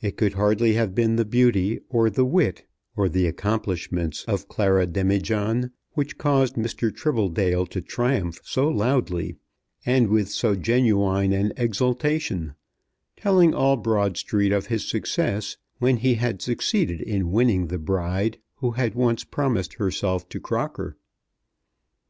It could hardly have been the beauty, or the wit, or the accomplishments of Clara Demijohn which caused Mr. Tribbledale to triumph so loudly and with so genuine an exultation, telling all Broad Street of his success, when he had succeeded in winning the bride who had once promised herself to Crocker.